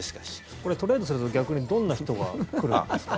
これ、トレードすると逆にどんな人が来るんですか？